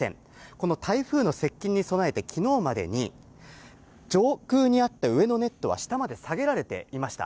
この台風の接近に備えて、きのうまでに上空にあった上のネットは下まで下げられていました。